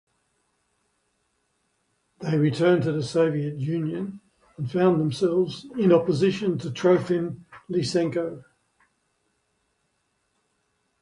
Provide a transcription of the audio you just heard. They returned to the Soviet Union and found themselves in opposition to Trofim Lysenko.